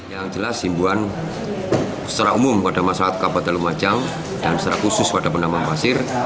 yang jelas himbuan secara umum pada masyarakat kabupaten lumajang dan secara khusus pada penambang pasir